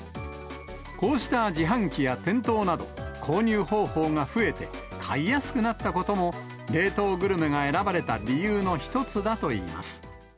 こうした自販機や店頭など、購入方法が増えて、買いやすくなったことも、冷凍グルメが選ばれた理由の一つだといいます。